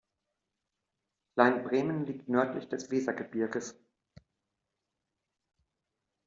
Kleinenbremen liegt nördlich des Wesergebirges.